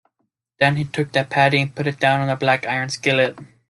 Then, he took that patty and put it down on the black-iron skillet.